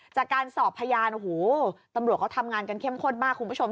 จากการสอบพยานโอ้โหตำรวจเขาทำงานกันเข้มข้นมากคุณผู้ชม